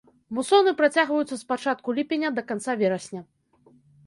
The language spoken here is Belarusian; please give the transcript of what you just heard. Мусоны працягваюцца з пачатку ліпеня да канца верасня.